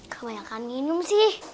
kebanyakan minum sih